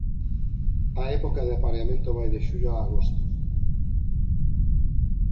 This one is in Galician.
A época de apareamento vai de xullo a agosto.